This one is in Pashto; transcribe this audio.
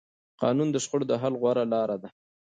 قانون د شخړو د حل غوره لاره ده